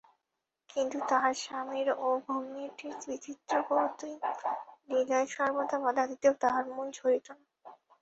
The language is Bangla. কিন্তু তাহার স্বামীর ও ভগিনীটির বিচিত্র কৌতুকলীলায় সর্বদা বাধা দিতেও তাহার মন সরিত না।